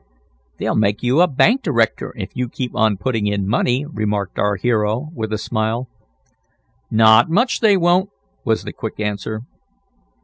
"They'll make you a bank director, if you keep on putting in money," remarked our hero, with a smile. "Not much they won't!" was the quick answer.